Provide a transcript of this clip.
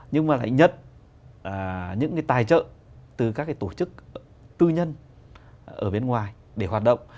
nhưng mà lại nhận những cái tài trợ từ các cái tổ chức tư nhân ở bên ngoài để hoạt động